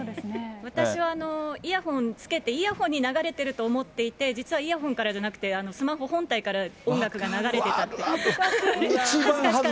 私はイヤホン使って、イヤホンに流れていると思って、実はイヤホンからじゃなくてスマホ本体から音楽が流れてたって。